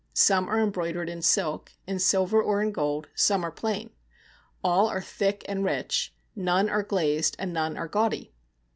Some are embroidered in silk, in silver, or in gold; some are plain. All are thick and rich, none are glazed, and none are gaudy.